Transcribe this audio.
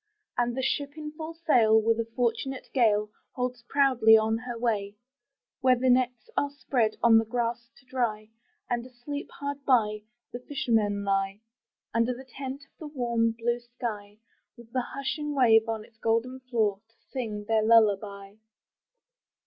And the ship in full sail, with a fortunate gale. Holds proudly on her way, Where the nets are spread on the grass to dry, And asleep, hard by, the fishermen lie Under the tent of the warm blue sky, With the hushing wave on its golden floor To sing their lullaby!